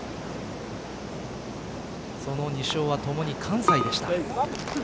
その２勝はともに関西でした。